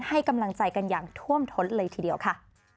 ให้กำลังใจกันอย่างท่วมท้นเลยทีเดียวค่ะ